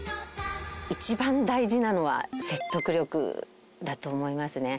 一番大事なのは説得力だと思いますね